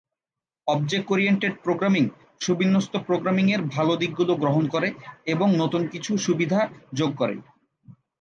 Object oriented programming সুবিন্যস্ত programming এর ভাল দিকগুলো গ্রহণ করে এবং নতুন কিছু সুবিধা যোগ করে।